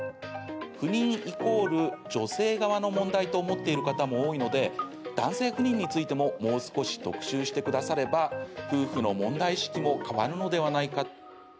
不妊イコール女性側の問題と思っている方も多いので男性不妊についてももう少し特集してくだされば夫婦の問題意識も変わるのではないか。